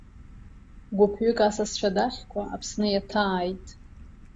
Гәыԥҩык асасцәа дахьқәа Аԥсны иаҭааит.